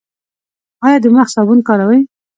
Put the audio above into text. ایا د مخ صابون کاروئ؟